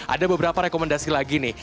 ada beberapa rekomendasi lagi nih